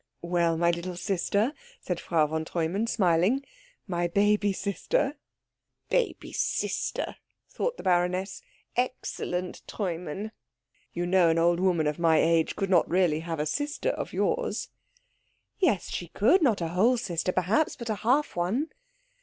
"Well, my little sister," said Frau von Treumann, smiling, "my baby sister " "Baby sister!" thought the baroness. "Excellent Treumann." " you know an old woman of my age could not really have a sister of yours." "Yes, she could not a whole sister, perhaps, but a half one."